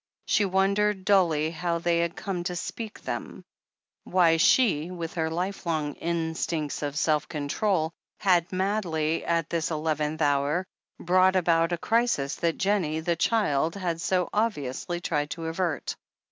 She wondered dully how they had come to speak them — ;why she, with her lifelong instincts of self , control, had madly, at this eleventh hour, brought about 459 46o THE HEEL OF ACHILLES a crisis that Jennie, the child, had so obviously tried to avert.